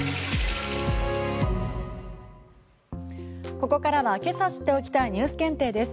ここからは今朝知っておきたいニュース検定です。